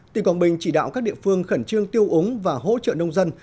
tỉnh quảng bình chỉ đạo các địa phương khẩn trương tiêu ống và hỗ trợ nông dân